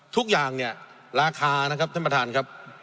ทุกอย่างเนี่ยราคานะครับท่านประธานครับ